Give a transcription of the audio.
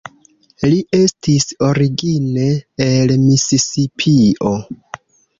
Li estis origine el Misisipio.